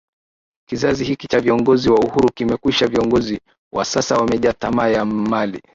Kizazi hiki cha viongozi wa Uhuru kimekwisha Viongozi wa sasa wamejaa tamaa ya mali